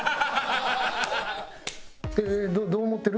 どう思ってる？